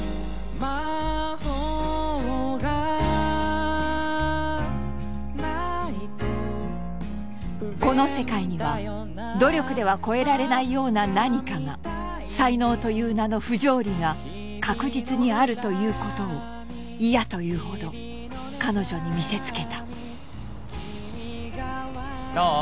魔法がないと不便この世界には努力ではこえられないような何かが才能という名の不条理が確実にあるということを嫌というほど彼女に見せつけたどう？